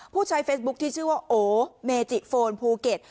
ผู้ใช้เฟซบุ๊คที่ชื่อว่าโอเมจิโฟนภูเก็ต